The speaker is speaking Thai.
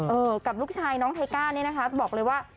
กับลูกชายน้องไทก้าเนี่ยนะคะบอกเลยว่า